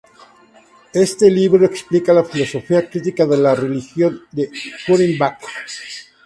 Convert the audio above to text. Este libro explica la filosofía y crítica de la religión de Feuerbach.